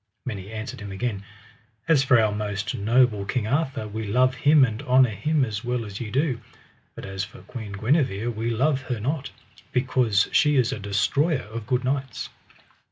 Many answered him again: As for our most noble King Arthur, we love him and honour him as well as ye do, but as for Queen Guenever we love her not, because she is a destroyer of good knights.